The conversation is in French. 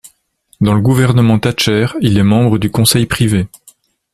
Dans le gouvernement Thatcher, il est membre du Conseil privé.